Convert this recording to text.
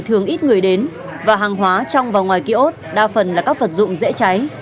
thường ít người đến và hàng hóa trong và ngoài kiosk đa phần là các vật dụng dễ cháy